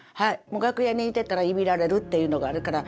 もう楽屋にいてたらいびられるっていうのがあるから。